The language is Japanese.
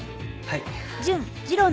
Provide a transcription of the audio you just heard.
はい。